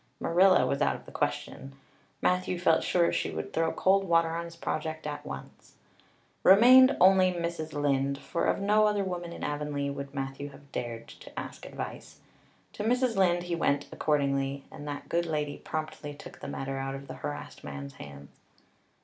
Marilla was out of the question. Matthew felt sure she would throw cold water on his project at once. Remained only Mrs. Lynde; for of no other woman in Avonlea would Matthew have dared to ask advice. To Mrs. Lynde he went accordingly, and that good lady promptly took the matter out of the harassed man's hands.